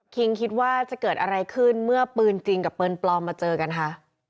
คิดว่าจะเกิดอะไรขึ้นเมื่อปืนจริงกับปืนปลอมมาเจอกันคะ